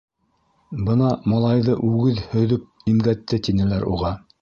- Бына малайҙы үгеҙ һөҙөп имгәтте, - тинеләр уға.